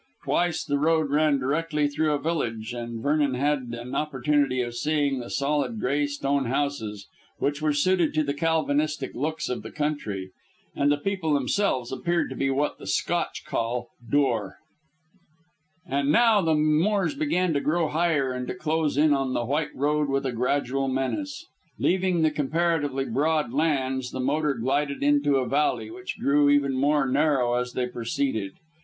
Twice the road ran directly through a village, and Vernon had an opportunity of seeing the solid grey stone houses, which were suited to the Calvinistic looks of the country. And the people themselves appeared to be what the Scotch call "dour." And now the moors began to grow higher and to close in on the white road with a gradual menace. Leaving the comparatively broad lands, the motor glided into a valley, which grew even more narrow as they proceeded.